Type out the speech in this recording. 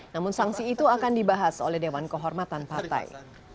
namun sanksi itu akan dibahas oleh dewan kehormatan partai